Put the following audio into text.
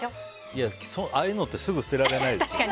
いや、ああいうのってすぐ捨てられないでしょ。